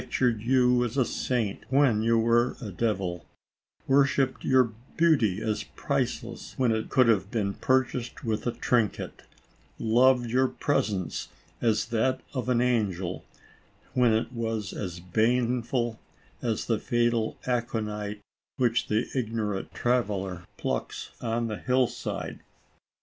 tured you a saint, when you were a devil, wor shipped your beauty as priceless, when it could have been purchased with a trinket, loved your presence as that of an angel, when it was as baneful as the fatal aconite which the ignorant traveler plucks on the hillside.